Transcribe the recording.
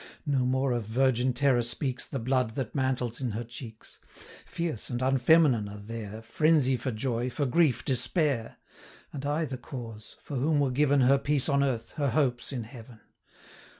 No more of virgin terror speaks 280 The blood that mantles in her cheeks; Fierce, and unfeminine, are there, Frenzy for joy, for grief despair; And I the cause for whom were given Her peace on earth, her hopes in heaven!